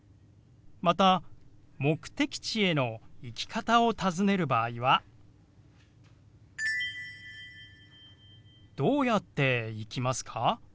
また目的地への行き方を尋ねる場合は「どうやって行きますか？」。